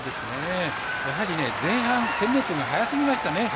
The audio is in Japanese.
やはりね前半１０００ｍが速すぎましたね。